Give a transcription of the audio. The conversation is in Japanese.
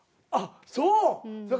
あっそう。